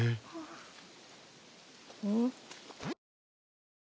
うん？